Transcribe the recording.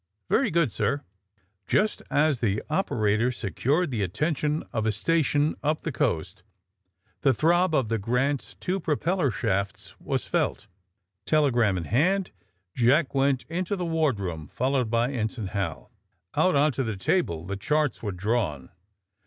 '^Very good, sir."' Just as the operator secured the attention of a station up the coast the throb of the '^ Grant's" two propeller shafts was felt. Telegram in hand Jack went into the ward room, followed by Ensign Hal. Out on to the table the charts were drawn.